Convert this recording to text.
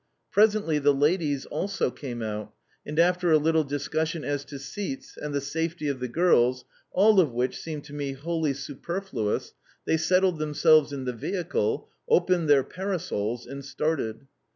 Presently the ladies, also came out, and after a little discussions as to seats and the safety of the girls (all of which seemed to me wholly superfluous), they settled themselves in the vehicle, opened their parasols, and started.